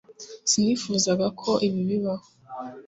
sinifuzaga ko ibi bibaho